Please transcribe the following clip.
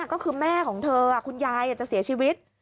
ก็คือแม่ของเธอคุณยายจะเสียชีวิต